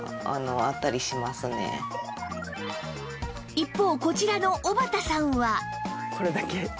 一方こちらのおばたさんは